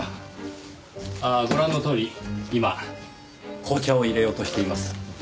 ああご覧のとおり今紅茶を淹れようとしています。